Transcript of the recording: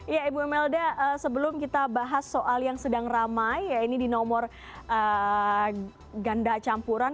iya ibu melda sebelum kita bahas soal yang sedang ramai ya ini di nomor ganda campuran